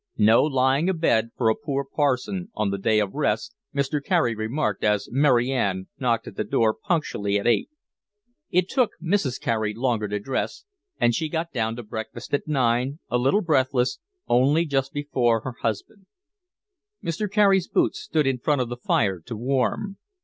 No lying abed for a poor parson on the day of rest, Mr. Carey remarked as Mary Ann knocked at the door punctually at eight. It took Mrs. Carey longer to dress, and she got down to breakfast at nine, a little breathless, only just before her husband. Mr. Carey's boots stood in front of the fire to warm.